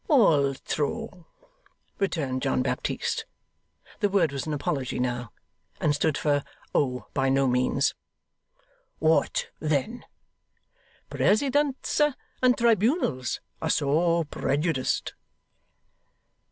'Al tro!' returned John Baptist. The word was an apology now, and stood for 'Oh, by no means!' 'What then?' 'Presidents and tribunals are so prejudiced.